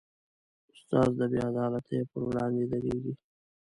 استاد د بېعدالتیو پر وړاندې دریږي.